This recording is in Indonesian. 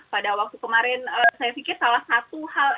pada waktu kemarin saya pikir salah satu hal